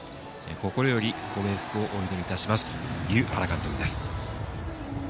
心よりご冥福をお祈りいたしますという原監督です。